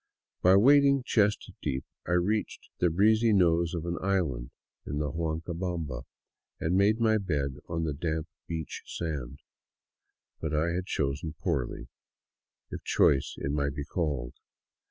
By wading chest deep I reached the breezy nose of an island in the Huancabamba, and made my bed on the damp beach sand. But I had chosen poorly, if choice it might be called.